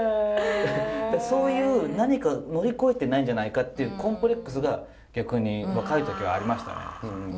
そういう何か乗り越えてないんじゃないかっていうコンプレックスが逆に若い時はありましたね。